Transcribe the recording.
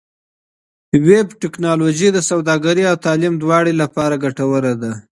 ویب ټکنالوژي د سوداګرۍ او تعلیم دواړو لپاره ګټوره ده.